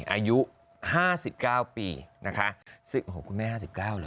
อายุ๕๙ปีนะคะโหคุณแม่๕๙หรือ